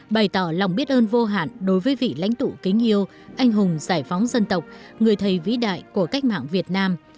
bày tỏ lòng biết ơn vô hạn đối với vị lãnh tụ kính yêu anh hùng giải phóng dân tộc người thầy vĩ đại của cách mạng việt nam